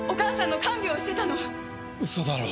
嘘だろ？